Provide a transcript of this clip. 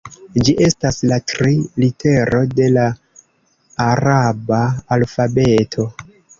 Ĝi estas la tri litero de la araba alfabeto.